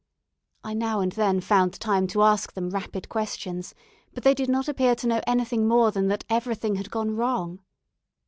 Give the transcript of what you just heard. I now and then found time to ask them rapid questions; but they did not appear to know anything more than that everything had gone wrong.